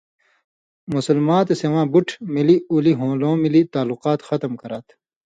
مُسلماں تے سِواں بُٹ مِلیۡ اُلیۡ ہُون٘لؤں مِلیۡ تعلقات ختُم کراتھہ؛